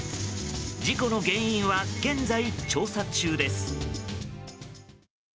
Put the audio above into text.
事故の原因は現在、調査中です。